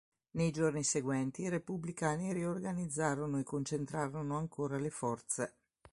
Nei giorni seguenti i repubblicani riorganizzarono e concentrarono ancora le forze.